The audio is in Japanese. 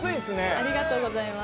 ありがとうございます。